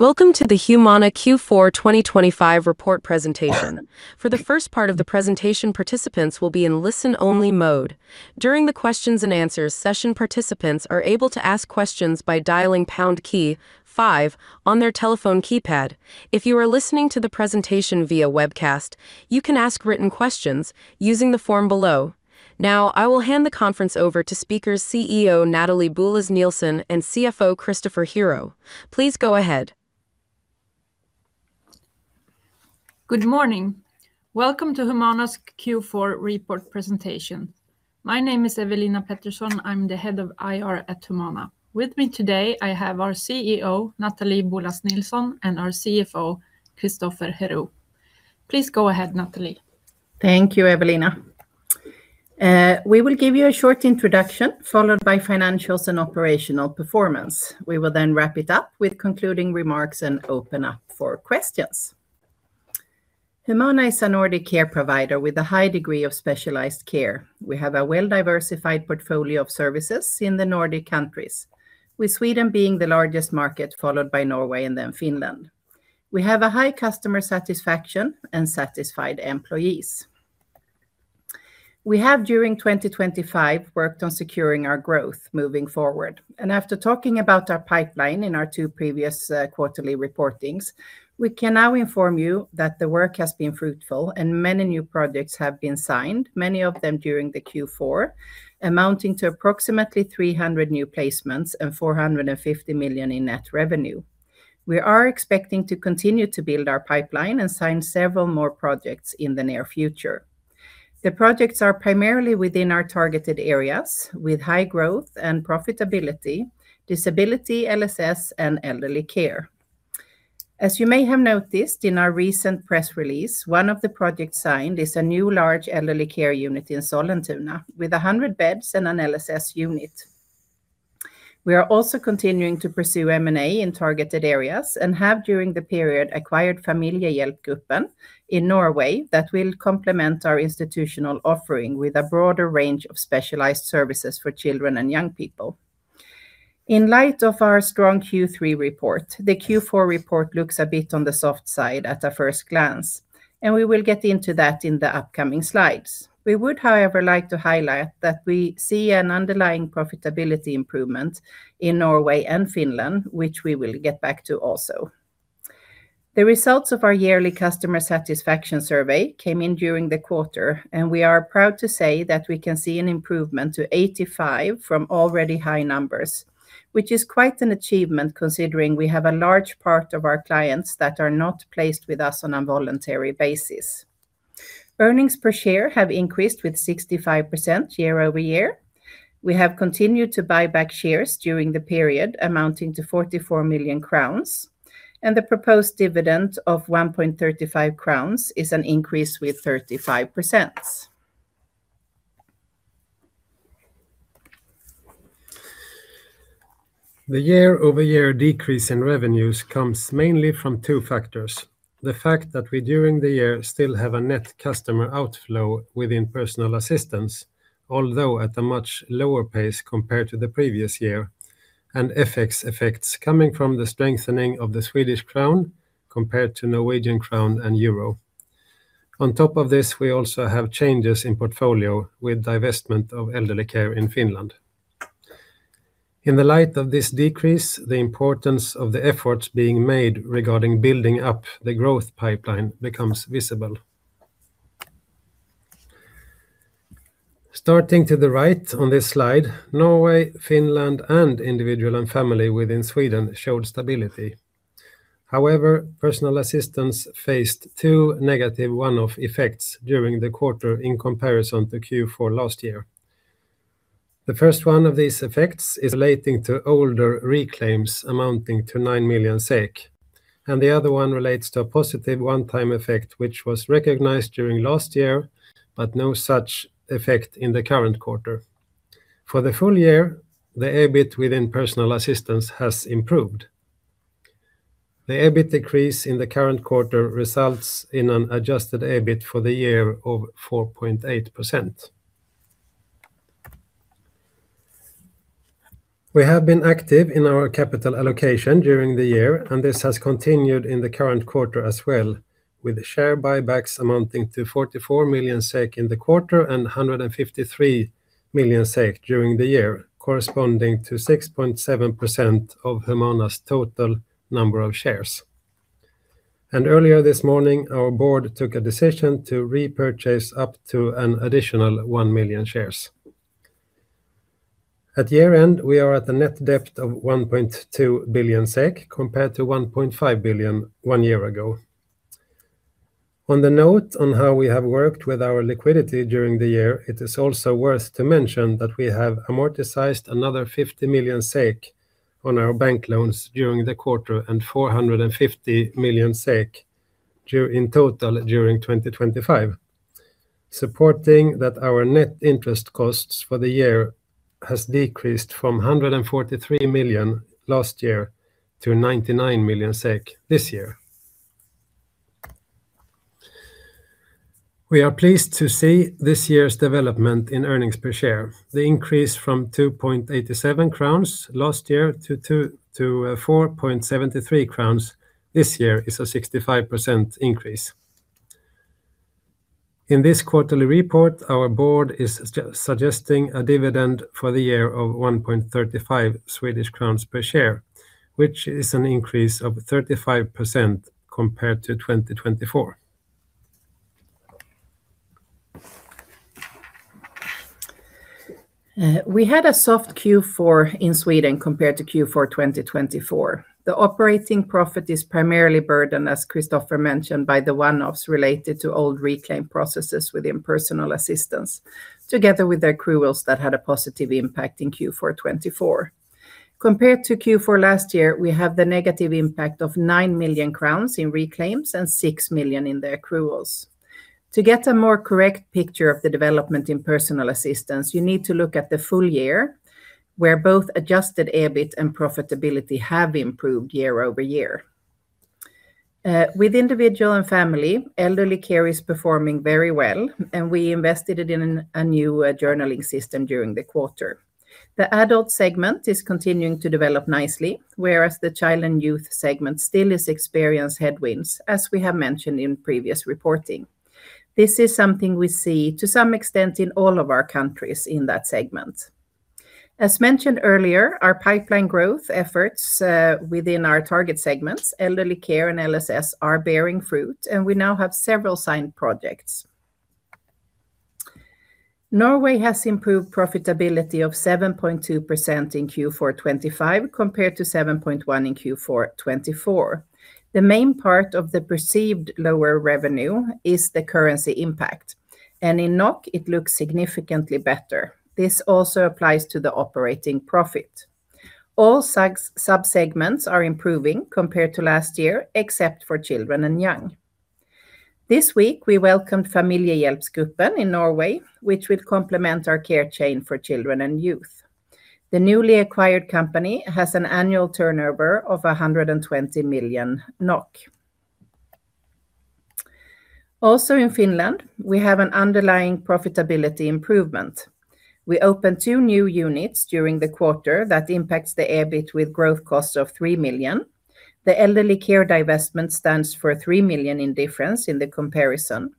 Welcome to the Humana Q4 2025 report presentation. For the first part of the presentation, participants will be in listen-only mode. During the questions and answers session, participants are able to ask questions by dialing pound key five on their telephone keypad. If you are listening to the presentation via webcast, you can ask written questions using the form below. Now, I will hand the conference over to speakers, CEO Nathalie Boulas Nilsson, and CFO Christoffer Herou. Please go ahead. Good morning. Welcome to Humana's Q4 report presentation. My name is Ewelina Pettersson, I'm the Head of IR at Humana. With me today, I have our CEO, Nathalie Boulas Nilsson, and our CFO, Christoffer Herou. Please go ahead, Nathalie. Thank you, Ewelina. We will give you a short introduction, followed by financials and operational performance. We will then wrap it up with concluding remarks and open up for questions. Humana is a Nordic care provider with a high degree of specialized care. We have a well-diversified portfolio of services in the Nordic countries, with Sweden being the largest market, followed by Norway and then Finland. We have a high customer satisfaction and satisfied employees. We have, during 2025, worked on securing our growth moving forward, and after talking about our pipeline in our two previous quarterly reportings, we can now inform you that the work has been fruitful and many new projects have been signed, many of them during the Q4, amounting to approximately 300 new placements and 450 million in net revenue. We are expecting to continue to build our pipeline and sign several more projects in the near future. The projects are primarily within our targeted areas, with high growth and profitability, disability, LSS, and elderly care. As you may have noticed in our recent press release, one of the projects signed is a new large elderly care unit in Sollentuna, with 100 beds and an LSS unit. We are also continuing to pursue M&A in targeted areas and have, during the period, acquired Familiehjelpgruppen in Norway, that will complement our institutional offering with a broader range of specialized services for children and young people. In light of our strong Q3 report, the Q4 report looks a bit on the soft side at a first glance, and we will get into that in the upcoming slides. We would, however, like to highlight that we see an underlying profitability improvement in Norway and Finland, which we will get back to also. The results of our yearly customer satisfaction survey came in during the quarter, and we are proud to say that we can see an improvement to 85 from already high numbers, which is quite an achievement, considering we have a large part of our clients that are not placed with us on a voluntary basis. Earnings per share have increased with 65% year-over-year. We have continued to buy back shares during the period, amounting to 44 million crowns, and the proposed dividend of 1.35 crowns is an increase with 35%. The year-over-year decrease in revenues comes mainly from two factors. The fact that we, during the year, still have a net customer outflow within personal assistance, although at a much lower pace compared to the previous year, and FX effects coming from the strengthening of the Swedish crown compared to Norwegian crown and euro. On top of this, we also have changes in portfolio with divestment of elderly care in Finland. In the light of this decrease, the importance of the efforts being made regarding building up the growth pipeline becomes visible. Starting to the right on this slide, Norway, Finland, and individual and family within Sweden showed stability. However, personal assistance faced two negative one-off effects during the quarter in comparison to Q4 last year. The first one of these effects is relating to older reclaims amounting to 9 million SEK, and the other one relates to a positive one-time effect, which was recognized during last year, but no such effect in the current quarter. For the full-year, the EBIT within personal assistance has improved. The EBIT decrease in the current quarter results in an adjusted EBIT for the year of 4.8%. We have been active in our capital allocation during the year, and this has continued in the current quarter as well, with share buybacks amounting to 44 million SEK in the quarter and 153 million SEK during the year, corresponding to 6.7% of Humana's total number of shares. Earlier this morning, our board took a decision to repurchase up to an additional one million shares. At year-end, we are at a net debt of 1.2 billion SEK, compared to 1.5 billion one year ago. On the note on how we have worked with our liquidity during the year, it is also worth to mention that we have amortized another 50 million SEK on our bank loans during the quarter and 450 million SEK in total during 2025, supporting that our net interest costs for the year has decreased from 143 million last year to 99 million SEK this year. We are pleased to see this year's development in earnings per share. The increase from 2.87 crowns last year to 4.73 crowns this year is a 65% increase. In this quarterly report, our board is suggesting a dividend for the year of 1.35 Swedish crowns per share, which is an increase of 35% compared to 2024. We had a soft Q4 in Sweden compared to Q4 2024. The operating profit is primarily burdened, as Christoffer mentioned, by the one-offs related to old reclaim processes within personal assistance, together with accruals that had a positive impact in Q4 2024. Compared to Q4 last year, we have the negative impact of 9 million crowns in reclaims and 6 million in the accruals. To get a more correct picture of the development in personal assistance, you need to look at the full-year, where both adjusted EBIT and profitability have improved year-over-year. With individual and family, elderly care is performing very well, and we invested it in a new journaling system during the quarter. The adult segment is continuing to develop nicely, whereas the child and youth segment still is experience headwinds, as we have mentioned in previous reporting. This is something we see to some extent in all of our countries in that segment. As mentioned earlier, our pipeline growth efforts within our target segments, elderly care and LSS, are bearing fruit, and we now have several signed projects. Norway has improved profitability of 7.2% in Q4 2025, compared to 7.1 in Q4 2024. The main part of the perceived lower revenue is the currency impact, and in NOK, it looks significantly better. This also applies to the operating profit. All subsegments are improving compared to last year, except for children and young. This week, we welcomed Familiehjelpgruppen in Norway, which will complement our care chain for children and youth. The newly acquired company has an annual turnover of 120 million NOK. Also in Finland, we have an underlying profitability improvement. We opened two new units during the quarter that impacts the EBIT with growth costs of 3 million. The elderly care divestment stands for 3 million in difference in the comparison.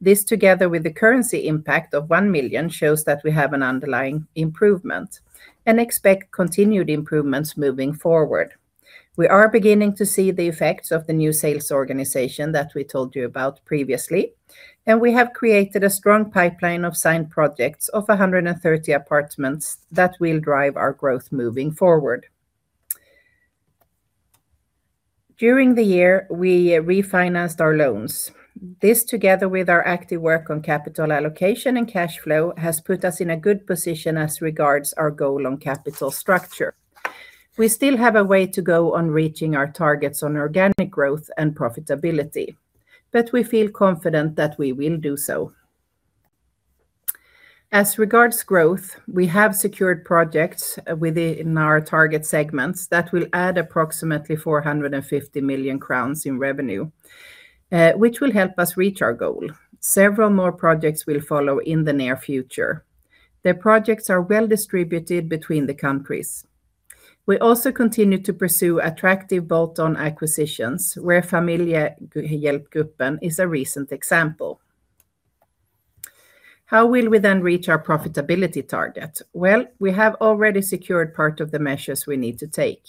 This, together with the currency impact of 1 million, shows that we have an underlying improvement and expect continued improvements moving forward. We are beginning to see the effects of the new sales organization that we told you about previously, and we have created a strong pipeline of signed projects of 130 apartments that will drive our growth moving forward. During the year, we refinanced our loans. This, together with our active work on capital allocation and cash flow, has put us in a good position as regards our goal on capital structure. We still have a way to go on reaching our targets on organic growth and profitability, but we feel confident that we will do so. As regards growth, we have secured projects within our target segments that will add approximately 450 million crowns in revenue, which will help us reach our goal. Several more projects will follow in the near future. The projects are well-distributed between the countries. We also continue to pursue attractive bolt-on acquisitions, where Familiehjelpgruppen is a recent example. How will we then reach our profitability target? Well, we have already secured part of the measures we need to take.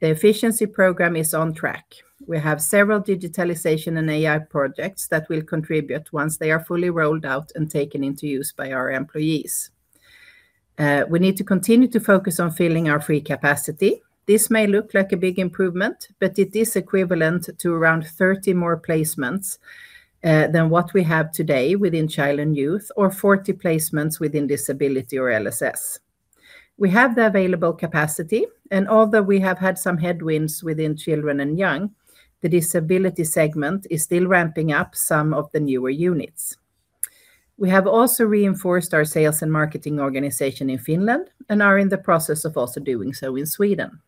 The efficiency program is on track. We have several digitalization and AI projects that will contribute once they are fully rolled out and taken into use by our employees. We need to continue to focus on filling our free capacity. This may look like a big improvement, but it is equivalent to around 30 more placements than what we have today within child and youth, or 40 placements within disability or LSS. We have the available capacity, and although we have had some headwinds within children and youth, the disability segment is still ramping up some of the newer units. We have also reinforced our sales and marketing organization in Finland and are in the process of also doing so in Sweden.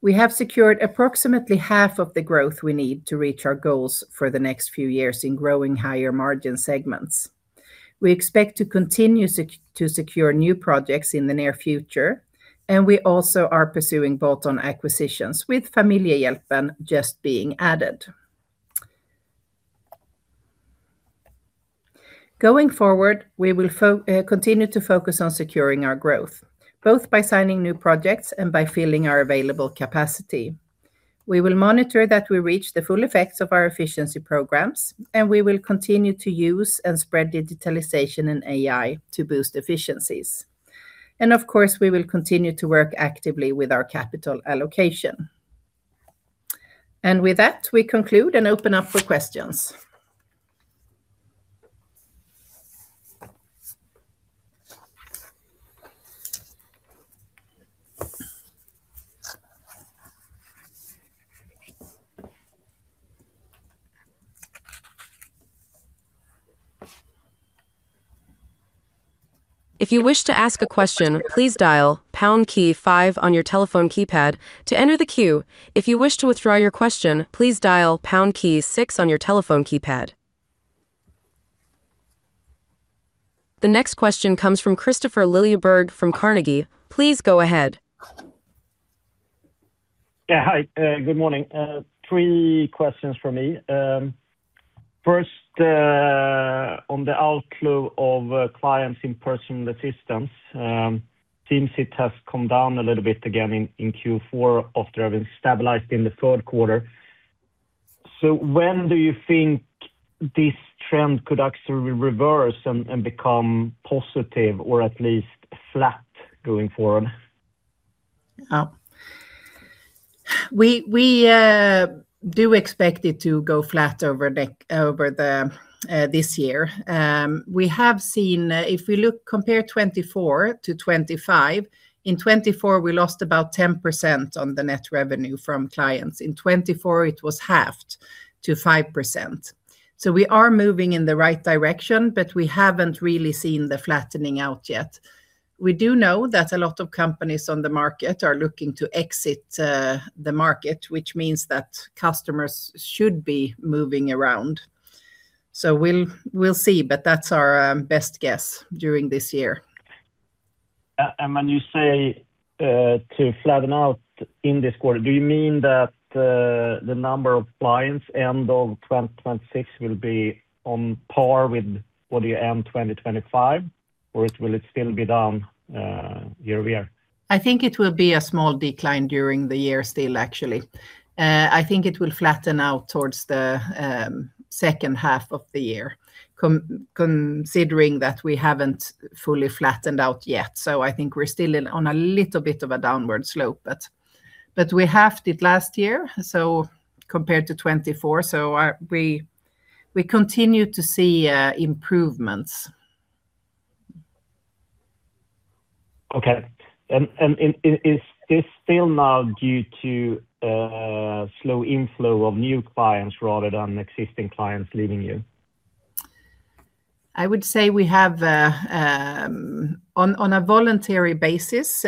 We have secured approximately half of the growth we need to reach our goals for the next few years in growing higher-margin segments. We expect to continue to secure new projects in the near future, and we also are pursuing bolt-on acquisitions, with Familiehjelpgruppen just being added. Going forward, we will continue to focus on securing our growth, both by signing new projects and by filling our available capacity. We will monitor that we reach the full effects of our efficiency programs, and we will continue to use and spread digitalization and AI to boost efficiencies. Of course, we will continue to work actively with our capital allocation. With that, we conclude and open up for questions. ... If you wish to ask a question, please dial pound key five on your telephone keypad to enter the queue. If you wish to withdraw your question, please dial pound key six on your telephone keypad. The next question comes from Kristofer Liljeberg from Carnegie. Please go ahead. Yeah, hi. Good morning. Three questions from me. First, on the outflow of clients in personal assistance, seems it has come down a little bit again in Q4 after having stabilized in the third quarter. So when do you think this trend could actually reverse and become positive or at least flat going forward? We do expect it to go flat over the this year. We have seen, if we look, compare 2024 to 2025, in 2024, we lost about 10% on the net revenue from clients. In 2024, it was halved to 5%. So we are moving in the right direction, but we haven't really seen the flattening out yet. We do know that a lot of companies on the market are looking to exit the market, which means that customers should be moving around. So we'll see, but that's our best guess during this year. When you say to flatten out in this quarter, do you mean that the number of clients end of 2026 will be on par with what you end 2025, or it will still be down year-over-year? I think it will be a small decline during the year still, actually. I think it will flatten out towards the second half of the year, considering that we haven't fully flattened out yet. So I think we're still in on a little bit of a downward slope, but we halved it last year, so compared to 2024, so we continue to see improvements. Okay. And is this still now due to slow inflow of new clients rather than existing clients leaving you? I would say we have, on a voluntary basis,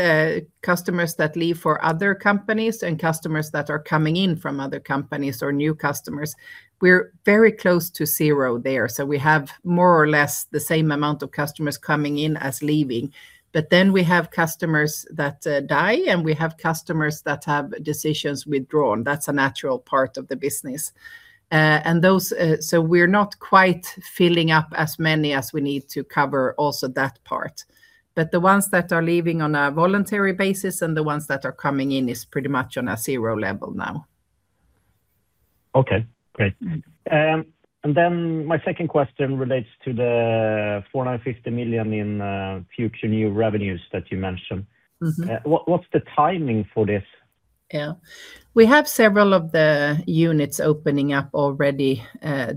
customers that leave for other companies and customers that are coming in from other companies or new customers. We're very close to zero there, so we have more or less the same amount of customers coming in as leaving. But then we have customers that, die, and we have customers that have decisions withdrawn. That's a natural part of the business. And those, so we're not quite filling up as many as we need to cover also that part. But the ones that are leaving on a voluntary basis and the ones that are coming in is pretty much on a zero level now. Okay, great. And then my second question relates to the 450 million in future new revenues that you mentioned. Mm-hmm. What's the timing for this? Yeah. We have several of the units opening up already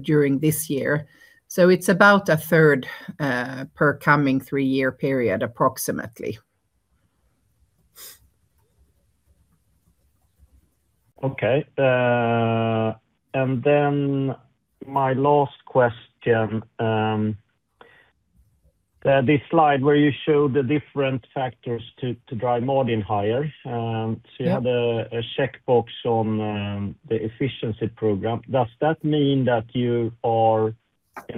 during this year, so it's about a third per coming three-year period, approximately. Okay. And then my last question, this slide where you show the different factors to drive margin higher. Yeah... so you have a checkbox on the efficiency program. Does that mean that you are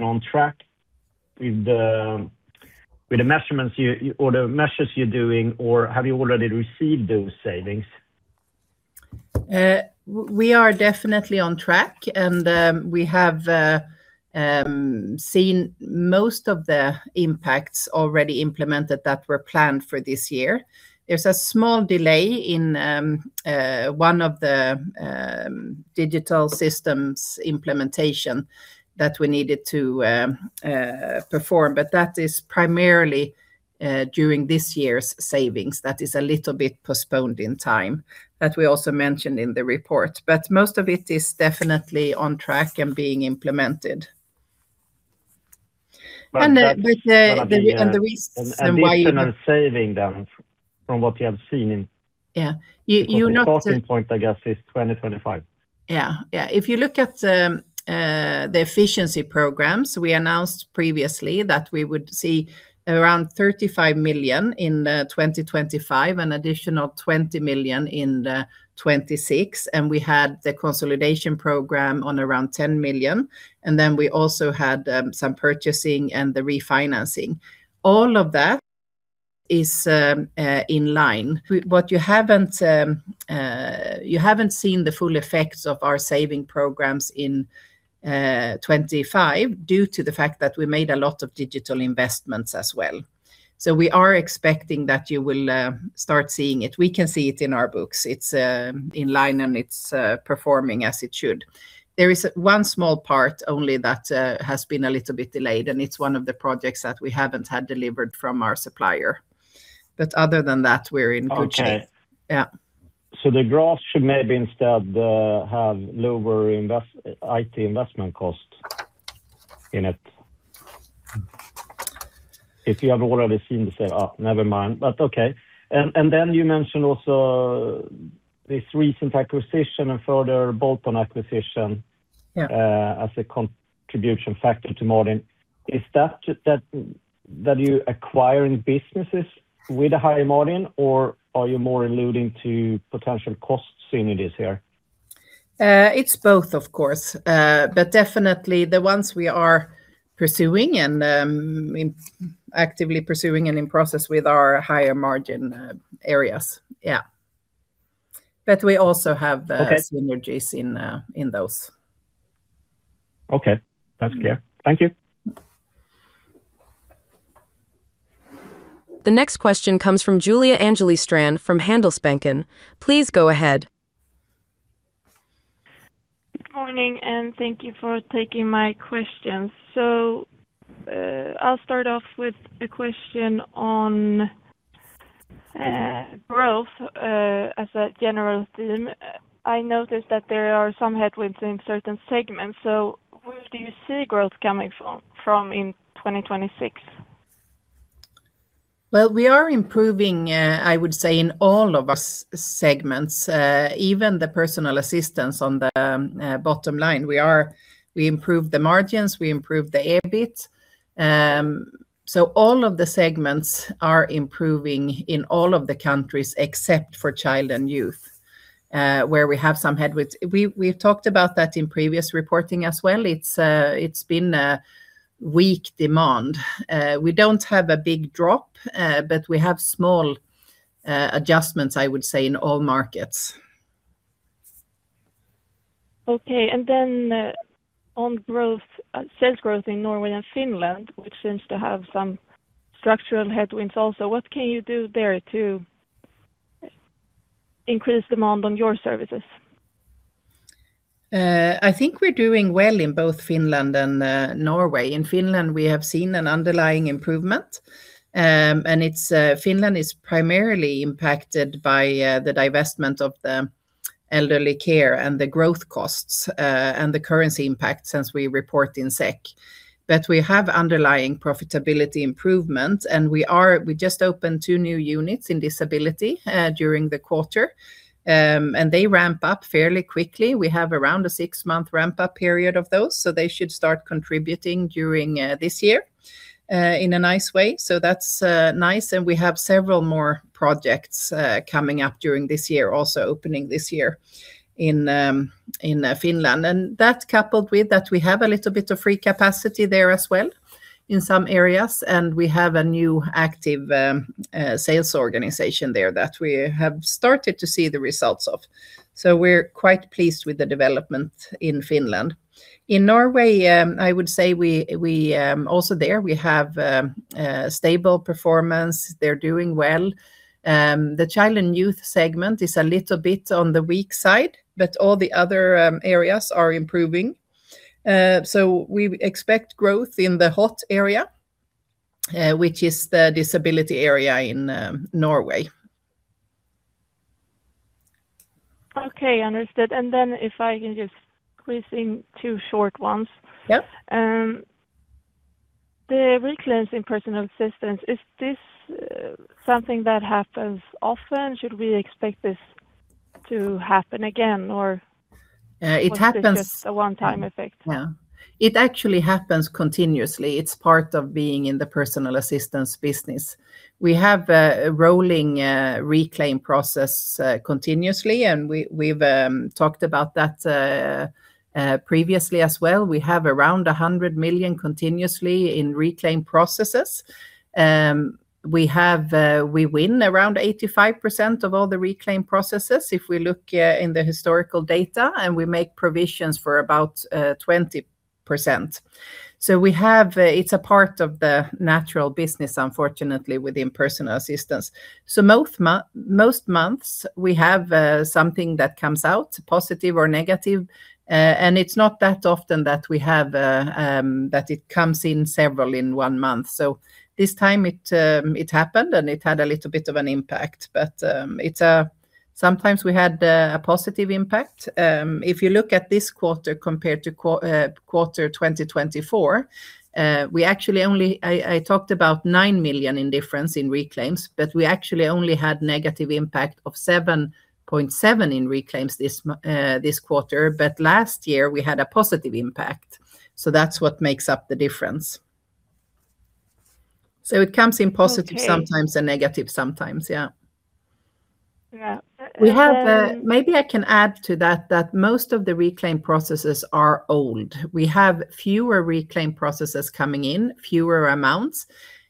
on track with the measurements you or the measures you're doing, or have you already received those savings? We are definitely on track, and we have seen most of the impacts already implemented that were planned for this year. There's a small delay in one of the digital systems implementation that we needed to perform, but that is primarily during this year's savings. That is a little bit postponed in time, that we also mentioned in the report. But most of it is definitely on track and being implemented. And the reason why- Additional savings then, from what you have seen in- Yeah. You not- The starting point, I guess, is 2025. Yeah. Yeah, if you look at the efficiency programs, we announced previously that we would see around 35 million in 2025, an additional 20 million in 2026, and we had the consolidation program on around 10 million, and then we also had some purchasing and the refinancing. All of that is in line. But you haven't seen the full effects of our saving programs in 2025 due to the fact that we made a lot of digital investments as well. So we are expecting that you will start seeing it. We can see it in our books. It's in line, and it's performing as it should. There is one small part only that has been a little bit delayed, and it's one of the projects that we haven't had delivered from our supplier. Other than that, we're in good shape. Okay. Yeah. So the graph should maybe instead have lower investment IT investment cost in it. If you have already seen this, never mind. But okay. And then you mentioned also this recent acquisition and further bolt-on acquisition- Yeah As a contribution factor to margin. Is that you acquiring businesses with a high margin, or are you more alluding to potential cost synergies here? It's both, of course. But definitely the ones we are pursuing and in actively pursuing and in process with are higher margin areas. Yeah. But we also have, Okay synergies in, in those. Okay, that's clear. Thank you. The next question comes from Julia Angeli Strand from Handelsbanken. Please go ahead. Good morning, and thank you for taking my question. So, I'll start off with a question on growth as a general theme. I noticed that there are some headwinds in certain segments, so where do you see growth coming from in 2026? Well, we are improving, I would say, in all of our segments, even the personal assistance on the bottom line. We are. We improved the margins, we improved the EBIT. So all of the segments are improving in all of the countries except for child and youth, where we have some headwinds. We've talked about that in previous reporting as well. It's been a weak demand. We don't have a big drop, but we have small adjustments, I would say, in all markets. Okay, and then, on growth, sales growth in Norway and Finland, which seems to have some structural headwinds also, what can you do there to increase demand on your services? I think we're doing well in both Finland and Norway. In Finland, we have seen an underlying improvement, and Finland is primarily impacted by the divestment of the elderly care and the growth costs, and the currency impact since we report in SEK. But we have underlying profitability improvement, and we just opened two new units in disability during the quarter. And they ramp up fairly quickly. We have around a six-month ramp-up period of those, so they should start contributing during this year in a nice way. So that's nice, and we have several more projects coming up during this year, also opening this year in Finland. That, coupled with that, we have a little bit of free capacity there as well in some areas, and we have a new active sales organization there that we have started to see the results of. So we're quite pleased with the development in Finland. In Norway, I would say we also, there we have a stable performance. They're doing well. The child and youth segment is a little bit on the weak side, but all the other areas are improving. So we expect growth in the hot area, which is the disability area in Norway. Okay, understood. And then if I can just squeeze in two short ones. Yep. The reclaims in personal assistance, is this, something that happens often? Should we expect this to happen again, or- It happens. Just a one-time effect? Yeah. It actually happens continuously. It's part of being in the personal assistance business. We have a rolling reclaim process continuously, and we've talked about that previously as well. We have around 100 million continuously in reclaim processes. We win around 85% of all the reclaim processes if we look in the historical data, and we make provisions for about 20%. So we have. It's a part of the natural business, unfortunately, within personal assistance. So most months, we have something that comes out positive or negative, and it's not that often that we have that it comes in several in one month. So this time it happened, and it had a little bit of an impact, but it's sometimes we had a positive impact. If you look at this quarter compared to quarter 2024, we actually only—I, I talked about 9 million in difference in reclaims, but we actually only had negative impact of 7.7 million in reclaims this quarter. But last year we had a positive impact, so that's what makes up the difference. So it comes in positive- Okay... sometimes and negative sometimes. Yeah. We have, maybe I can add to that, that most of the reclaim processes are old. We have fewer reclaim processes coming in, fewer amounts.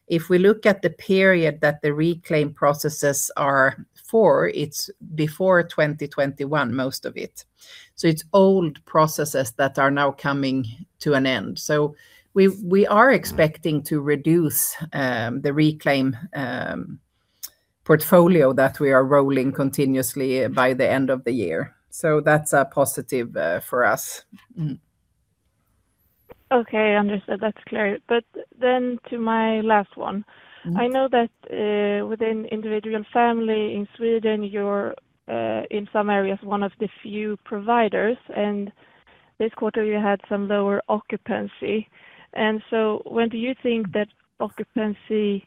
If we look at the period that the reclaim processes are for, it's before 2021, most of it. So it's old processes that are now coming to an end. So we are expecting to reduce the reclaim portfolio that we are rolling continuously by the end of the year. So that's a positive for us. Okay, understood. That's clear. But then to my last one- Mm-hmm. I know that, within individual family in Sweden, you're, in some areas, one of the few providers, and this quarter you had some lower occupancy. And so when do you think that occupancy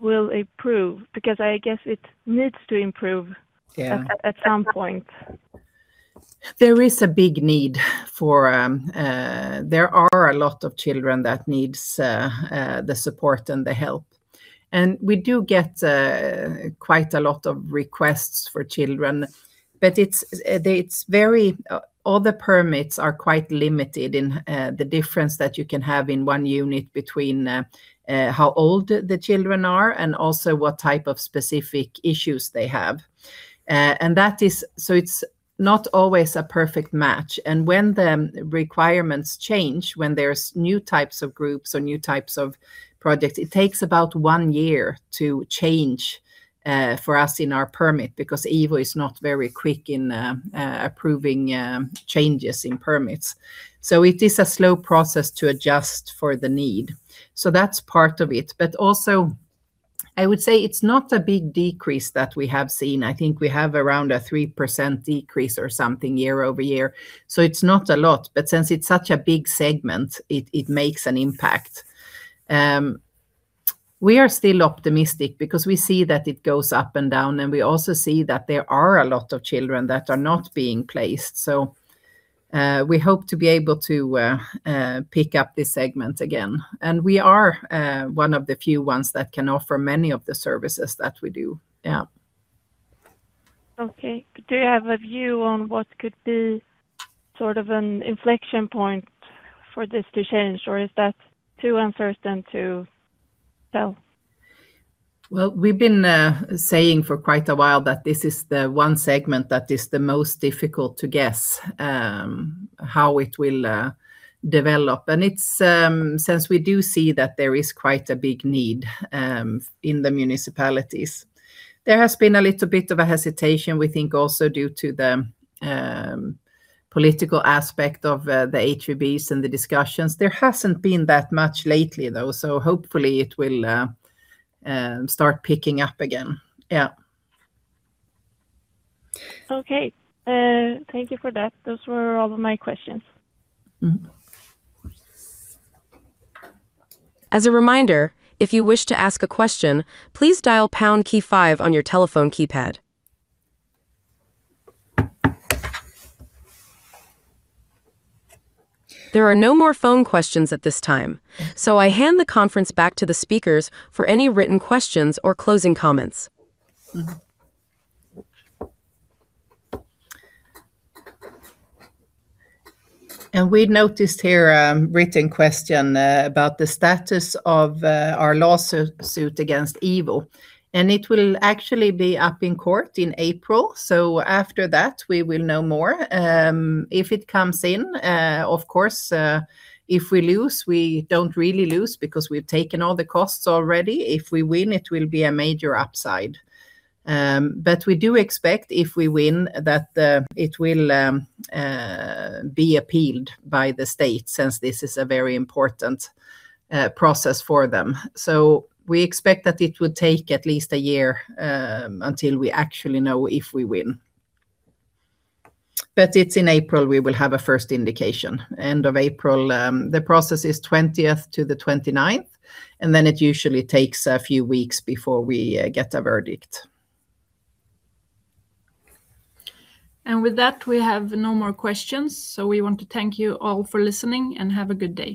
will improve? Because I guess it needs to improve- Yeah at some point. There is a big need for... There are a lot of children that needs the support and the help. And we do get quite a lot of requests for children, but it's very... All the permits are quite limited in the difference that you can have in one unit between how old the children are and also what type of specific issues they have. And that is. So it's not always a perfect match, and when the requirements change, when there's new types of groups or new types of projects, it takes about one year to change for us in our permit, because IVO is not very quick in approving changes in permits. So it is a slow process to adjust for the need. So that's part of it. But also, I would say it's not a big decrease that we have seen. I think we have around a 3% decrease or something year-over-year, so it's not a lot. But since it's such a big segment, it, it makes an impact. We are still optimistic because we see that it goes up and down, and we also see that there are a lot of children that are not being placed. So, we hope to be able to pick up this segment again, and we are one of the few ones that can offer many of the services that we do. Yeah. Okay. Do you have a view on what could be sort of an inflection point for this to change, or is that too uncertain to tell? Well, we've been saying for quite a while that this is the one segment that is the most difficult to guess how it will develop. And it's since we do see that there is quite a big need in the municipalities. There has been a little bit of a hesitation, we think also due to the political aspect of the HVBs and the discussions. There hasn't been that much lately, though, so hopefully it will start picking up again. Yeah. Okay. Thank you for that. Those were all of my questions. Mm-hmm. As a reminder, if you wish to ask a question, please dial pound key five on your telephone keypad. There are no more phone questions at this time, so I hand the conference back to the speakers for any written questions or closing comments. Mm-hmm. We've noticed here a written question about the status of our lawsuit against IVO, and it will actually be up in court in April. So after that, we will know more. If it comes in, of course, if we lose, we don't really lose because we've taken all the costs already. If we win, it will be a major upside. But we do expect, if we win, that the... it will be appealed by the state, since this is a very important process for them. So we expect that it would take at least a year until we actually know if we win. But it's in April, we will have a first indication. End of April, the process is 20th to the 29th, and then it usually takes a few weeks before we get a verdict. With that, we have no more questions. We want to thank you all for listening, and have a good day.